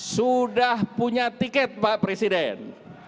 sudah punya tiket pak presiden